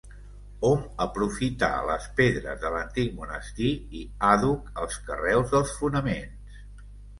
Hom aprofità les pedres de l'antic monestir i àdhuc els carreus dels fonaments.